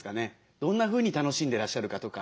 どんなふうに楽しんでらっしゃるかとか。